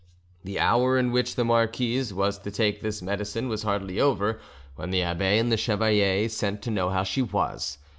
The hour in which the marquise was to take this medicine was hardly over when the abbe and the chevalier sent to know how she was.